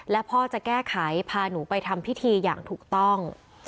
และพ่อจะแก้ไขพาหนูไปทำพิธีอย่างถูกต้อง